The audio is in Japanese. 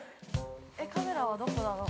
◆カメラはどこだろう？